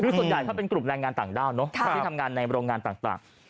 คือส่วนใหญ่ถ้าเป็นกลุ่มแรงงานต่างด้าวเนอะที่ทำงานในโรงงานต่าง